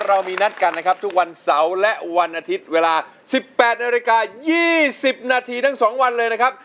เรามีนัดกันนะครับทุกวันเสาร์และวันอาทิตย์เวลา๑๘นาฬิกา๒๐นาทีทั้ง๒วันเลยนะครับ